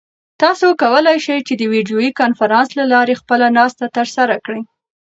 تاسو کولای شئ چې د ویډیویي کنفرانس له لارې خپله ناسته ترسره کړئ.